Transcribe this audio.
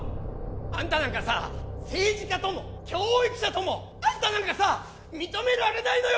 あんたなんかさ政治家とも教育者ともあんたなんかさ認められないのよ